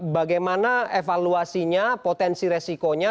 bagaimana evaluasinya potensi resikonya